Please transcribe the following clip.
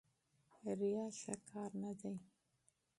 ریا ښه کار نه دی.